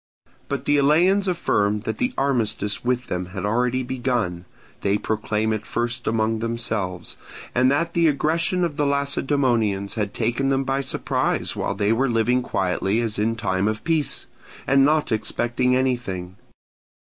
But the Eleans affirmed that the armistice with them had already begun (they proclaim it first among themselves), and that the aggression of the Lacedaemonians had taken them by surprise while they were living quietly as in time of peace, and not expecting anything.